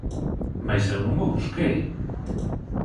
Mais eu non o busquei.